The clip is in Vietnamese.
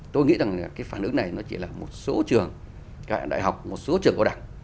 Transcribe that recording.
tôi nghĩ rằng cái phản ứng này nó chỉ là một số trường cả đại học một số trường cao đẳng